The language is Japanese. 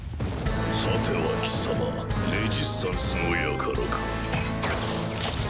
さては貴様レジスタンスの輩か。